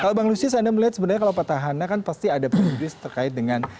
kalau bang lusius anda melihat sebenarnya kalau petahana kan pasti ada prediksi terkait dengan